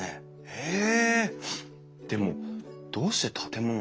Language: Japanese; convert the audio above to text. へえ。